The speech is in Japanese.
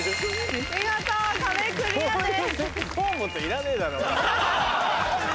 見事壁クリアです。